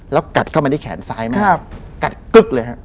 แล้วกัดเข้ามาที่แขนซ้ายมากกัดกึ๊กเลยฮะ